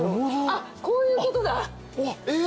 あっこういうことだ。え！